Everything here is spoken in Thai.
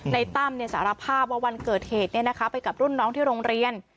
ตั้มสารภาพว่าวันเกิดเหตุไปกับรุ่นน้องที่โรงเรียน